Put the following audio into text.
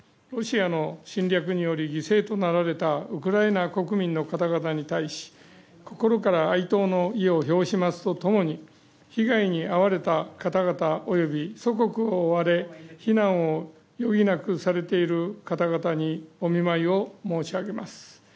ロシアの侵略により犠牲となられたウクライナ国民の方々に対し心から哀悼の意を表しますと共に被害に遭われた方々及び祖国を追われ避難を余儀なくされている方々にお見舞いを申し上げます。